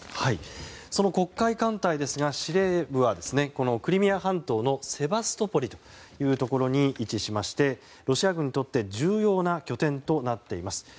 その黒海艦隊ですが司令部はこのクリミア半島のセバストポリというところに位置しまして、ロシア軍にとって重要な拠点となっています。